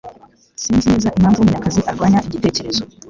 Sinzi neza impamvu Munyakazi arwanya igitekerezo